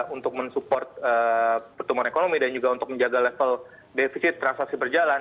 untuk mensupport pertumbuhan ekonomi dan juga untuk menjaga level defisit transaksi berjalan